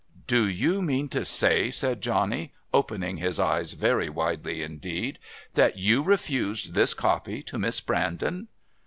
"Do you mean to say," said Johnny, opening his eyes very widely indeed, "that you refused this copy to Miss Brandon?"